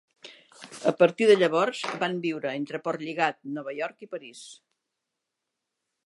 A partir de llavors van viure entre Portlligat, Nova York i París.